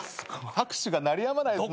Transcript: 拍手が鳴りやまないですね。